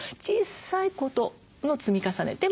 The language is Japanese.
小さいことの積み重ね。